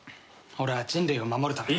俺は人類を守るため。